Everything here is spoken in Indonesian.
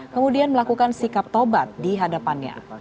kemudian melakukan sikap tobat di hadapannya